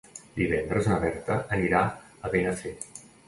Divendres na Berta anirà a Benafer.